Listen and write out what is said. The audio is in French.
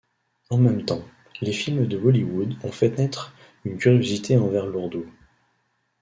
En même temps, les films de Bollywood ont fait naître une curiosité envers l'ourdou.